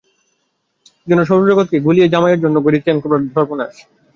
যেন সৌরজগৎকে গলিয়ে জামাইয়ের জন্যে ঘড়ির চেন করবার ফর্মাশ।